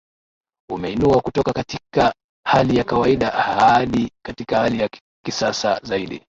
Umeinua kutoka katika hali ya kawaida hadi katika hali ya kisasa zaidi